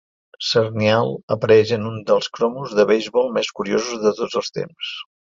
Zernial apareix en un dels cromos de beisbol més curiosos de tots els temps.